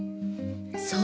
そう！